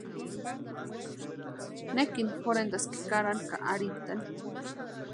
Nekini jorhentaski karani ka arhintani.